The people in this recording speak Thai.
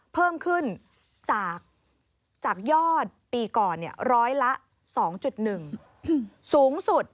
เพิ่มขึ้นจากยอดปีก่อนร้อยละ๒๑สูงสุด